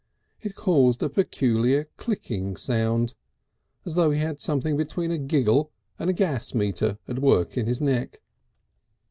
It caused a peculiar clicking sound, as though he had something between a giggle and a gas meter at work in his neck.